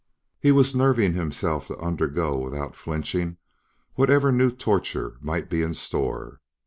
He was nerving himself to undergo without flinching whatever new torture might be in store.